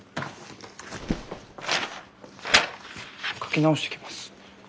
描き直してきます。